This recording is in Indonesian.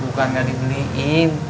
bukan ga dibeliin